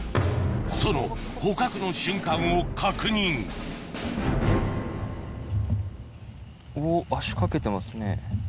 その捕獲の瞬間を確認おっ足掛けてますね。